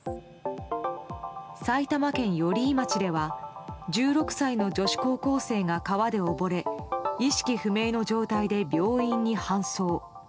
埼玉県寄居町では１６歳の女子高校生が川で溺れ意識不明の状態で病院に搬送。